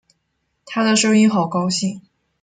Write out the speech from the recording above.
她的声音好高兴